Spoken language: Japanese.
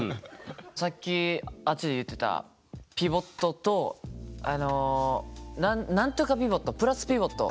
さっきあっちで言ってたピボットとあのなんとかピボットプラスピボット？